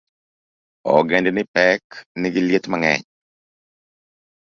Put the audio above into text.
Ongedni pek nigi liet mang'eny